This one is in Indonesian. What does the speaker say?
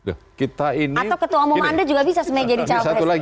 atau ketua umum anda juga bisa sebenarnya jadi cawapres